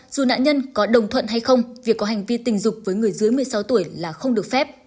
dù nạn nhân có đồng thuận hay không việc có hành vi tình dục với người dưới một mươi sáu tuổi là không được phép